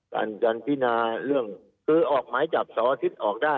การจันพินาเรื่องคือออกหมายจับเสาร์อาทิตย์ออกได้